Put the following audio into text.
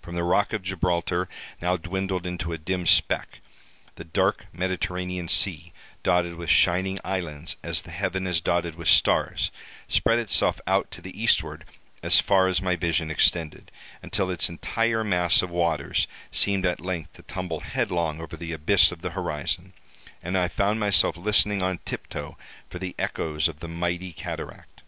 From the rock of Gibraltar, now dwindled into a dim speck, the dark Mediterranean sea, dotted with shining islands as the heaven is dotted with stars, spread itself out to the eastward as far as my vision extended, until its entire mass of waters seemed at length to tumble headlong over the abyss of the horizon, and I found myself listening on tiptoe for the echoes of the mighty cataract.